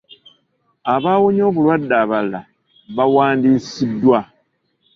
Abaawonye obulwadde abalala baawandiisiddwa.